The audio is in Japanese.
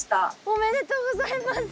おめでとうございます。